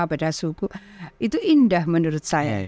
pada suku itu indah menurut saya